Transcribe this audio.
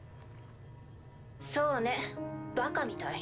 そうねバカみたい。